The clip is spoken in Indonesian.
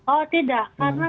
oh tidak karena